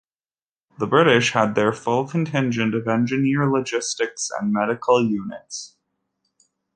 The British had their full contingent of engineer, logistics, and medical units.